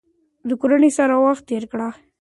د کورنۍ سره وخت تیر کړئ.